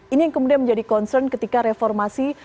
ini yang kemudian menjadi concern ketika reformasi